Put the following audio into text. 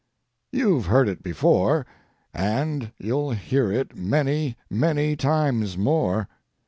You've heard it before, and you'll hear it many, many times more.